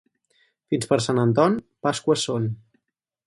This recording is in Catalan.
Fins per Sant Anton, pasqües són.